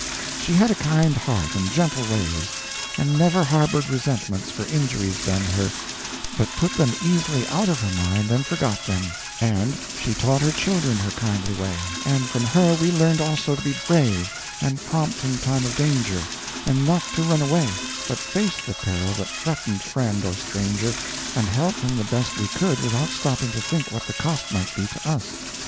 She had a kind heart and gentle ways, and never harbored resentments for injuries done her, but put them easily out of her mind and forgot them; and she taught her children her kindly way, and from her we learned also to be brave and prompt in time of danger, and not to run away, but face the peril that threatened friend or stranger, and help him the best we could without stopping to think what the cost might be to us.